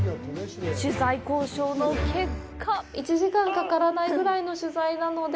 取材交渉の結果１時間かからないぐらいの取材なので。